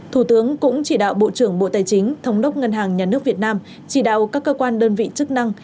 thủ tướng cũng chỉ đạo bộ trưởng bộ tài chính thống đốc ngân hàng nhà nước việt nam chỉ đạo các cơ quan đơn vị chức năng